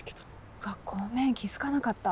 うわっごめん気付かなかった。